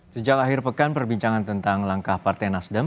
sejak akhir pekan perbincangan tentang langkah partai nasdem